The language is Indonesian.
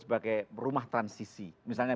sebagai rumah transisi misalnya